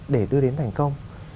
để đưa đến thành công